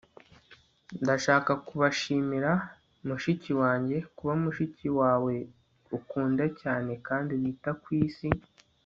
ndashaka kubashimira mushiki wanjye, kuba mushiki wawe ukunda cyane kandi wita ku isi